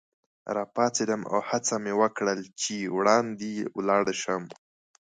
راپاڅېدم او هڅه مې وکړل چي وړاندي ولاړ شم.